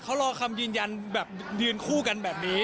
เขารอคำยืนยันแบบยืนคู่กันแบบนี้